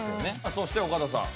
そして岡田さん。